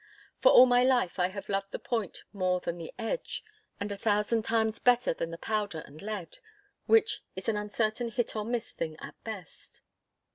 For all my life I have loved the point more than the edge—and a thousand times better than the powder and lead—which is an uncertain hit or miss thing at best.